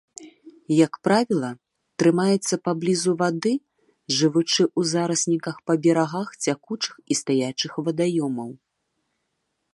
Як правіла, трымаецца паблізу вады, жывучы ў зарасніках па берагах цякучых і стаячых вадаёмаў.